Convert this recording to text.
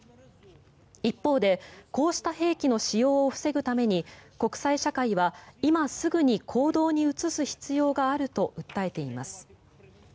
一方でこうした兵器の使用を防ぐために国際社会は今すぐに行動に移す必要があると訴えています。